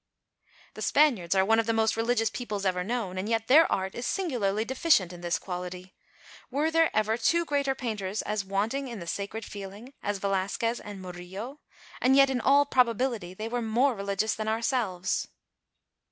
The Spaniards are one of the most religious peoples ever known, and yet their art is singularly deficient in this quality. Were there ever two great painters as wanting in the sacred feeling as Velasquez and Murillo? and yet, in all probability, they were more religious than ourselves.